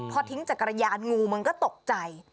พอทิ้งจัดเกรยานงูก็ตกใจ